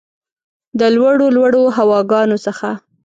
د لوړو ، لوړو هواګانو څخه